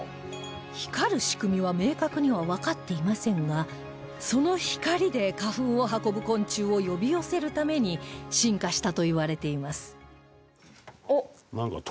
光る仕組みは明確にはわかっていませんがその光で花粉を運ぶ昆虫を呼び寄せるために進化したといわれています